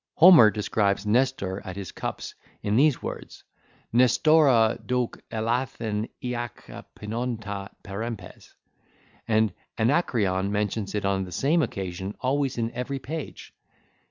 Homer describes Nestor at his cups in these words, "Nestora d'ouk elathen iache pinonta perempes." And Anacreon mentions it on the same occasion always in every page.